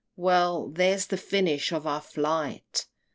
Well there's the finish of our flight!